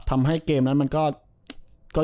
ทำให้เกมนั้นมันก็